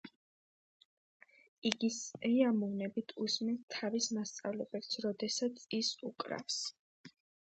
იგი სიამოვნებით უსმენს თავის მასწავლებელს, როდესაც ის უკრავს.